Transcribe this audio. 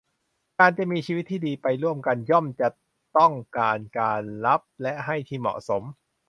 การจะมีชีวิตที่ดีไปร่วมกันย่อมจะต้องการการรับและให้ที่เหมาะสม